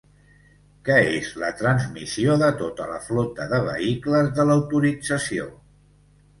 Què és la transmissió de tota la flota de vehicles de l'autorització?